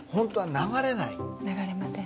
流れません。